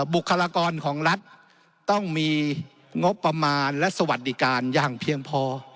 บุคลากรของรัฐต้องมีงบประมาณและสวัสดิการอย่างเพียงพอ